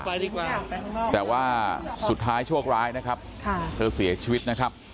เอาก็ออกไปดีกว่าแต่ว่าสุดท้ายโชคร้ายนะครับเขาเสียชีวิตนะครับ